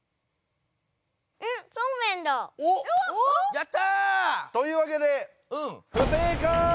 やった！というわけでうん不正かい！